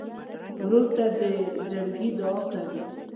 ورور ته د زړګي دعاء کوې.